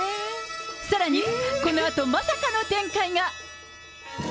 さらに、このあとまさかの展開が。